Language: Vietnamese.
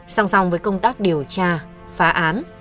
xong xong với công tác điều tra phá án